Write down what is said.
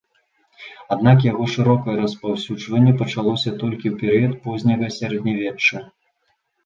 Аднак яго шырокае распаўсюджванне пачалося толькі ў перыяд позняга сярэднявечча.